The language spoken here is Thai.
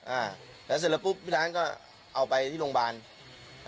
อ่าแล้วเสร็จแล้วปุ๊บพี่ร้านก็เอาไปที่โรงพยาบาล